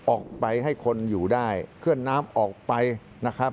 ออกไปให้คนอยู่ได้เคลื่อนน้ำออกไปนะครับ